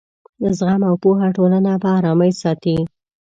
زغم او پوهه ټولنه په ارامۍ ساتي.